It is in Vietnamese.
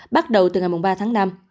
bắt đầu từ ngày ba tháng năm